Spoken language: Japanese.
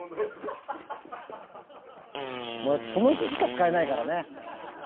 もうだってその日しか使えないからね。